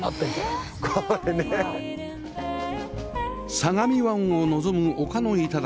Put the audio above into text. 相模湾を望む丘の頂